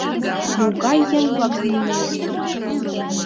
— Могай еҥ-влак нине улыт?